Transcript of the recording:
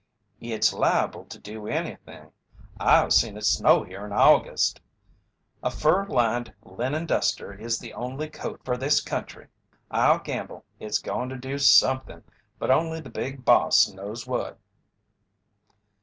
"It's liable to do anything. I've seen it snow here in August. A fur lined linen duster is the only coat fer this country. I'll gamble it's goin' to do somethin', but only the Big Boss knows what."